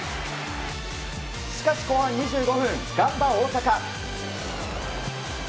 しかし、後半２５分ガンバ大阪。